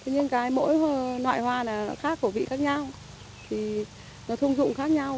nhưng mỗi loại hoa khác khẩu vị khác nhau thông dụng khác nhau